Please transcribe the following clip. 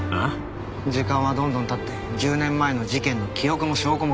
時間はどんどん経って１０年前の事件の記憶も証拠も消えていく。